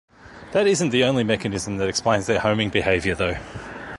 That isn't the only mechanism that explains their homing behavior though.